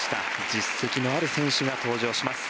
実績のある選手が登場します。